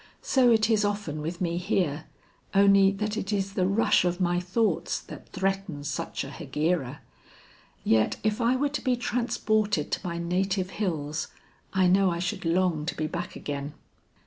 So it is often with me here, only that it is the rush of my thoughts that threatens such a Hegira. Yet if I were to be transported to my native hills, I know I should long to be back again."